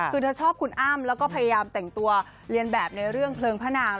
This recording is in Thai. คือเธอชอบคุณอ้ำแล้วก็พยายามแต่งตัวเรียนแบบในเรื่องเพลิงพระนาง